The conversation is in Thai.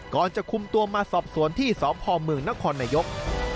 ก่อนจะคุมตัวมาสอบสวนที่สพเมืองนครนายก